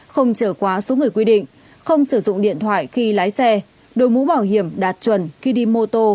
không trở quá số người quy định không sử dụng điện thoại khi lái xe đội mũ bảo hiểm đạt chuẩn khi đi mô tô